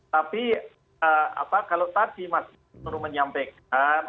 tapi kalau tadi mas nur menyampaikan